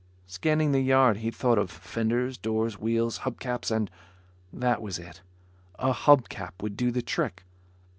Scanning the yard he thought of fenders, doors, wheels, hub caps and ... that was it. A hub cap would do the trick.